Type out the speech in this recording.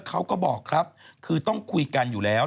เขาก็บอกครับคือต้องคุยกันอยู่แล้ว